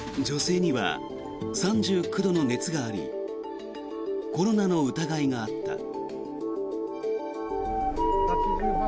女性には３９度の熱がありコロナの疑いがあった。